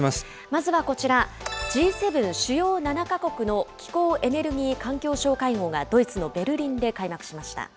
まずはこちら、Ｇ７・主要７か国の気候・エネルギー・環境相会合がドイツのベルリンで開幕しました。